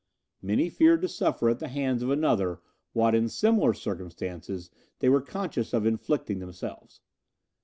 Many feared to suffer at the hands of another what in similar circumstances they were conscious of inflicting themselves.